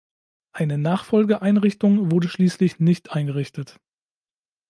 Eine Nachfolgeeinrichtung wurde schließlich nicht eingerichtet.